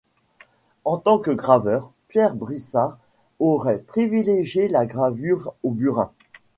En tant que graveur, Pierre Brissart aurait privilégié la gravure au burin.